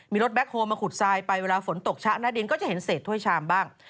มีรถแบ๊กโมาคุดท้ายไปเวลาฝนตกชะหน้าเดนก็จะเห็นเสร็จถ้วยชามบ้าง